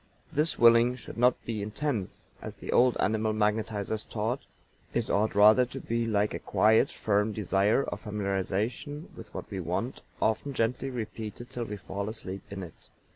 This willing should not be intense, as the old animal magnetizers taught; it ought rather to be like a quiet, firm desire or familiarization with what we want, often gently repeated till we fall asleep in it.